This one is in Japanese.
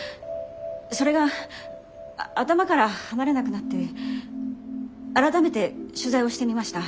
それが頭から離れなくなって改めて取材をしてみました。